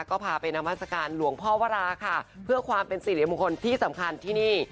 ก็พาไปน้ำพันธศการหลวงพ่อเวราค่ะเพื่อความเป็นศิษย์ในมุมคนที่สำคัญที่นี่